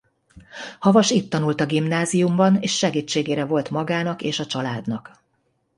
Havas itt tanult a gimnáziumban és segítségére volt magának és a családnak.